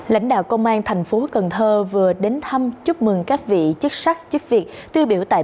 lãnh đạo công an tp cn vừa đến thăm chúc mừng các vị chức sắc chức việc tư biểu tạm